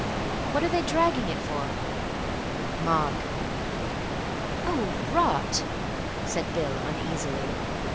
What are they dragging it for?" "Mark." "Oh, rot," said Bill uneasily.